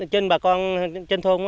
trên bà con trên thôn